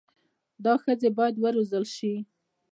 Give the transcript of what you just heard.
دا ښځي بايد و روزل سي